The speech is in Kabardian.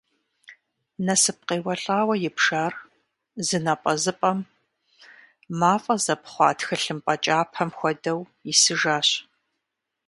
Нэсып къеуэлӏауэ ибжар, зы напӏэзыпӏэм мафӏэ зэпхъуа тхылымпӏэ кӏапэм хуэдэу исыжащ.